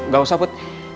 gak usah put